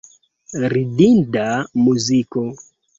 Ridinda muziko.